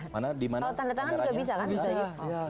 kalau tanda tangan juga bisa kan